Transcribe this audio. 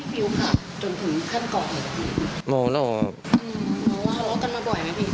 บอกแล้วครับ